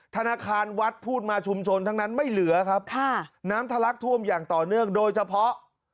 ธนาคารวัดพูดมาชุมชนทั้งนั้นไม่เหลือครับค่ะน้ำทะลักท่วมอย่างต่อเนื่องโดยเฉพาะ